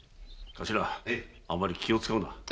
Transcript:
頭あまり気を遣うな。